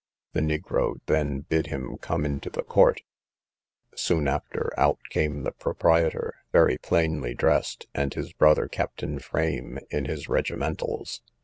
The negro then bid him come into the court: soon after, out came the proprietor, very plainly dressed, and his brother, Captain Frame, in his regimentals.